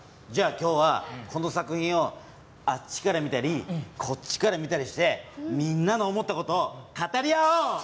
じゃあ今日はこの作品をあっちからみたりこっちからみたりしてみんなの思った事を語り合おう。